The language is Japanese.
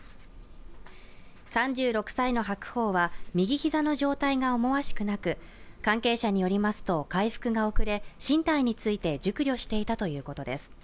３６歳の白鵬は右膝の状態が思わしくなく、関係者によりますと、回復が遅れ、進退について熟慮していたということです。